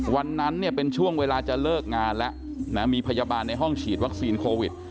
วันนั้นเนี่ยเป็นช่วงเวลาจะเลิกงานแล้วนะมีพยาบาลในห้องฉีดวัคซีนโควิด